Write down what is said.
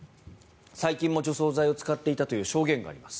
最近も除草剤を使っていたという証言があります。